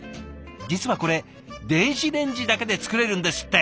実はこれ電子レンジだけで作れるんですって！